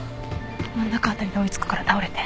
真ん中辺りで追い付くから倒れて。